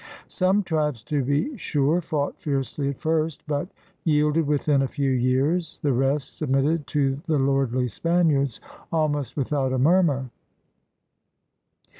Some tribes, to be sure, fought fiercely at first, but yielded within a few years; the rest submitted to the lordly Spaniards almost without a murmur.